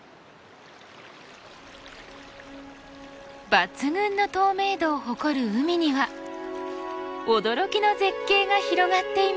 抜群の透明度を誇る海には驚きの絶景が広がっています。